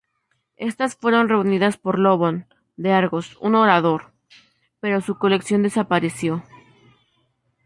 Estas fueron reunidas por Lobón de Argos, un orador, pero su colección desapareció.